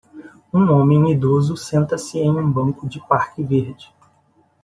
Um homem idoso senta-se em um banco de parque verde.